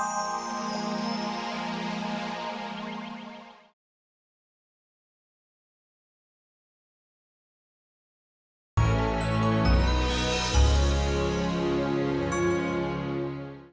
sampai jumpa lagi